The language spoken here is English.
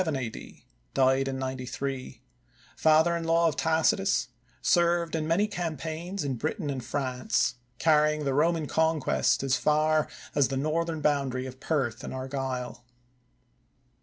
diedin 93; father in law of Tacitus; served in many campaigns in Britain and France, carrying the Roman conquest as far as the northern boundary of Perth and Argyll.